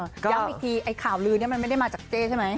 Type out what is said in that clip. ย้ำอีกทีไอ้ข่าวลือนี้มันไม่ได้มาจากเจ๊ใช่ไหม